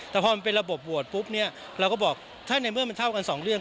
แต่พอมันเป็นระบบโหวตปุ๊บเนี่ยเราก็บอกถ้าในเมื่อมันเท่ากันสองเรื่อง